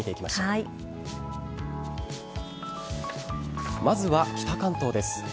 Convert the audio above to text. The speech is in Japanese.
まずは北関東です。